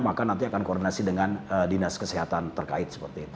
maka nanti akan koordinasi dengan dinas kesehatan terkait seperti itu